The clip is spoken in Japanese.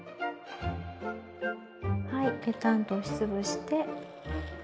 はいぺたんと押し潰して。